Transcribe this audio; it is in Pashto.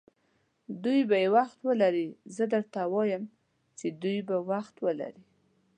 دوی به یې وخت ولري، زه درته وایم چې دوی به وخت ولري.